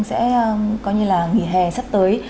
sẽ có như là nghỉ hè sắp tới